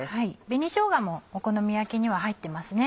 紅しょうがもお好み焼きには入ってますね。